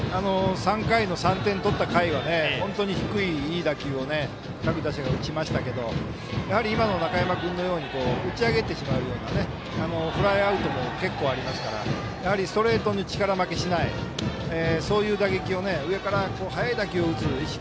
３回の３点取った回は本当に低い、いい打球を各打者が打ちましたけど今の中山君のように打ち上げてしまうようなフライアウトも結構ありますから、ストレートに力負けしない、そういう打撃を上から速い打球を打つ意識